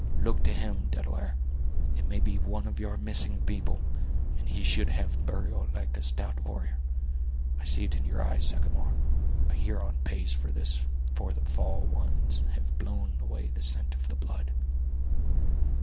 Look to him, Delaware; it may be one of your missing people; and he should have burial like a stout warrior. I see it in your eye, Sagamore; a Huron pays for this, afore the fall winds have blown away the scent of the blood!"